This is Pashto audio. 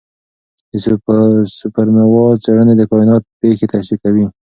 د سوپرنووا څېړنې د کائنات پېښې تشریح کوي.